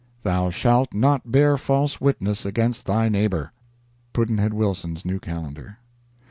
Thou shalt not bear false witness against thy neighbor. Pudd'nhead Wilson's New Calendar.